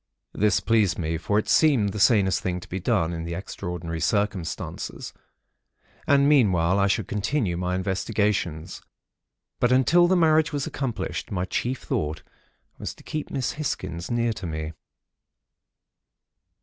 "This pleased me; for it seemed the sanest thing to be done, in the extraordinary circumstances; and meanwhile I should continue my investigations; but until the marriage was accomplished, my chief thought was to keep Miss Hisgins near to me.